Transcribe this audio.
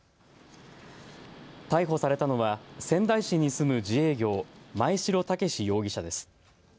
逮捕されたのは仙台市に住む自営業、真栄城健容疑者です。